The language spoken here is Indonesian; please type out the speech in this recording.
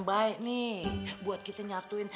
baik nih buat kita nyatuin